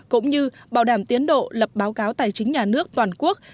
cũng như bảo đảm tiến độ lập báo cáo tài chính nhà nước toàn quốc